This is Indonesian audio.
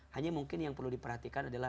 hanya mungkin yang perlu diperhatikan adalah